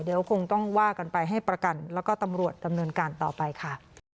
เดี๋ยวคงต้องว่ากันไปให้ประกันแล้วก็ตำรวจดำเนินการต่อไปค่ะ